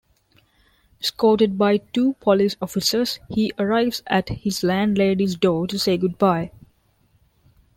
Escorted by two police officers, he arrives at his landlady's door to say goodbye.